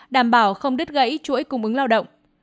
đảm bảo không đứt gãy chuỗi cung ứng lao động